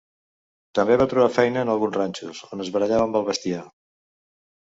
També va trobar feina en alguns ranxos, on es barallava amb el bestiar.